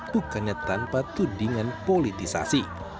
bukannya tanpa tudingan politisasi